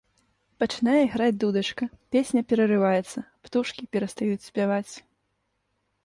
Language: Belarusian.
Пачынае іграць дудачка, песня перарываецца, птушкі перастаюць спяваць.